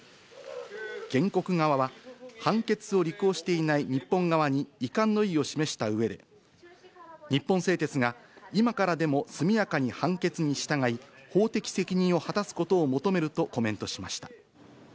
原告側は、判決を履行していない日本側に遺憾の意を示したうえで、日本製鉄が今からでも速やかに判決に従い、法的責任を果たすことを求めるとコメントしました。